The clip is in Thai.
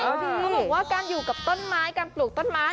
เขาบอกว่าการอยู่กับต้นไม้การปลูกต้นไม้